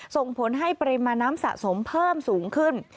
ส่งผลให้ปริมาณน้ำสะสมเพิ่มสูงขึ้น